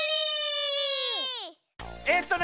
えっとね